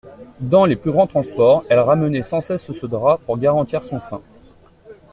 Dans les plus grands transports, elle ramenait sans cesse ce drap pour garantir son sein.